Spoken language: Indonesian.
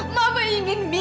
mama ingin mira ditemukan ini